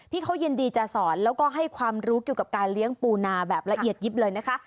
เขายินดีจะสอนแล้วก็ให้ความรู้เกี่ยวกับการเลี้ยงปูนาแบบละเอียดยิบเลยนะคะ